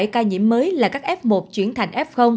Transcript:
hai mươi bảy ca nhiễm mới là các f một chuyển thành f